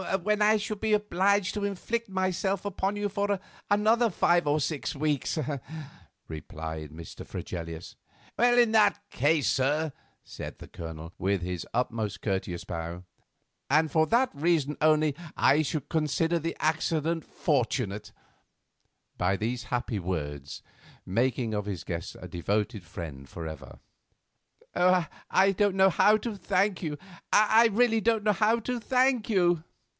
"When I should be obliged to inflict myself upon you for another five or six weeks," replied Mr. Fregelius. "In that case, sir," said the Colonel, with his most courteous bow, "and for that reason only I should consider the accident fortunate," by these happy words making of his guest a devoted friend for ever. "I don't know how to thank you; I really don't know how to thank you."